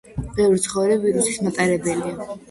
ბევრი ცხოველი ვირუსის მატარებელია.